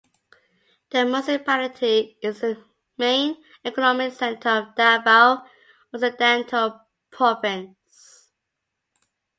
The municipality is the main economic center of Davao Occidental province.